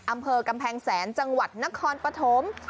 อำเภอกำแพงแสนจังหวัดนครปฐม